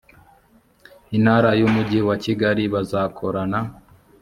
intara nu umujyi wa kigali bazakorana